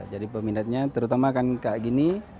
jadi peminatnya terutama akan seperti ini